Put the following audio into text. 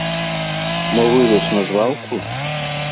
Мо вывез на звалку?